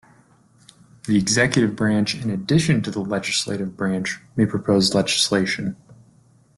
The executive branch, in addition to the legislative branch, may propose legislation.